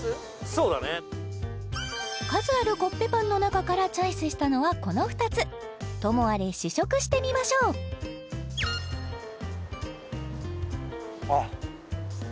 そうだね数あるコッペパンの中からチョイスしたのはこの２つともあれ試食してみましょうあっ